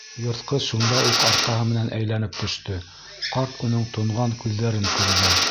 Йыртҡыс шунда уҡ арҡаһы менән әйләнеп төштө, ҡарт уның тонған күҙҙәрен күрҙе.